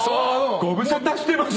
ご無沙汰してます！